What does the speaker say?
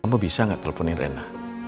kamu bisa nggak teleponin rena